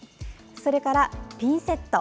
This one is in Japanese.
それからピンセット。